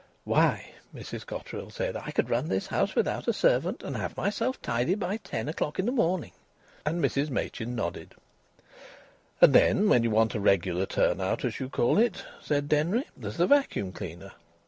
"Why," Mrs Cotterill said, "I could run this house without a servant and have myself tidy by ten o'clock in a morning." And Mrs Machin nodded. "And then when you want a regular turn out, as you call it," said Denry, "there's the vacuum cleaner."